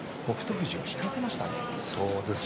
富士は引かせましたね。